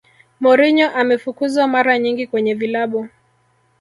mourinho amefukuzwa mara nyingi kwenye vilabu